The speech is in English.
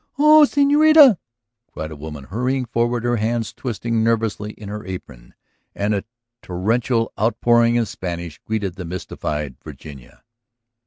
"Oh, señorita!" cried a woman, hurrying forward, her hands twisting nervously in her apron. And a torrential outpouring in Spanish greeted the mystified Virginia.